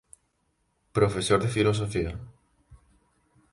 Profesor de filosofía.